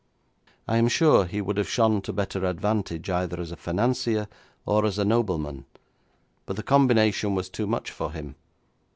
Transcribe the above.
I am sure he would have shone to better advantage either as a financier or as a nobleman, but the combination was too much for him.